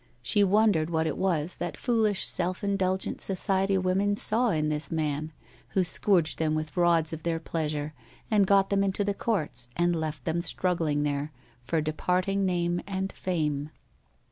She wondered what it was that foolish self indulgent society women saw in this man, who scourged them with rods of their pleasure and got them into the courts and left them struggling there, for depart ing name and fame.